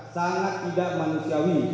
sangat tidak manusiawi